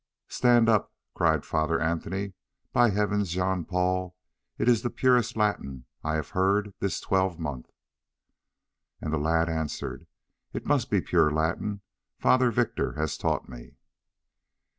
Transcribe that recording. "Stand up!" cried Father Anthony. "By heavens, Jean Paul, it is the purest Latin I have heard this twelvemonth." And the lad answered: "It must be pure Latin; Father Victor has taught me."